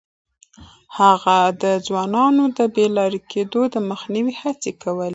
هغه د ځوانانو د بې لارې کېدو د مخنيوي هڅې کولې.